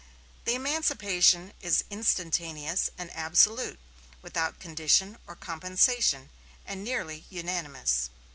The emancipation is instantaneous and absolute, without condition or compensation, and nearly unanimous."